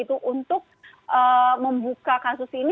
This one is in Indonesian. untuk membuka kasus ini